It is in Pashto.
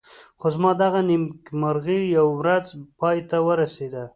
خو زما دغه نېکمرغي یوه ورځ پای ته ورسېده.